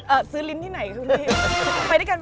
เอ่อซื้อลิ้นที่ไหนครับ